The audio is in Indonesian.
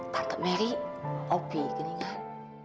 tante merry opi keningan